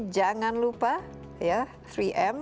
jangan lupa tiga m